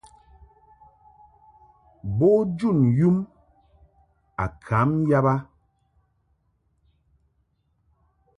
Bo jun yum a kam yab a.